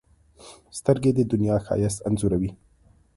سترګې د دنیا ښایست انځوروي